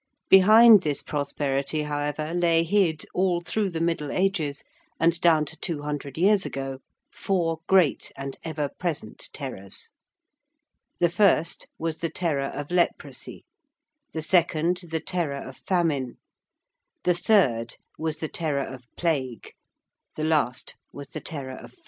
Behind this prosperity, however, lay hid all through the middle ages, and down to two hundred years ago, four great and ever present terrors. The first was the Terror of Leprosy: the second the Terror of Famine: the third was the Terror of Plague: the last was the Terror of Fire.